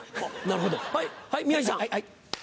なるほどはい宮治さん。